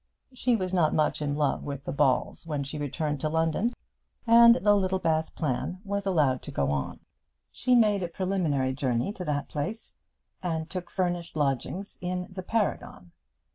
She was not much in love with the Balls when she returned to London, and the Littlebath plan was allowed to go on. She made a preliminary journey to that place, and took furnished lodgings in the Paragon.